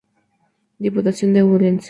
Diputación de Ourense.